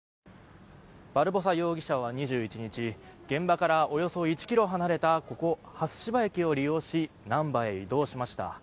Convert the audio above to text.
バルボサ容疑者は２１日現場からおよそ１ｋｍ離れたここ、初芝駅を利用し難波へ移動しました。